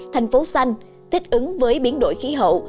thành phố xanh thích ứng với biến đổi khí hậu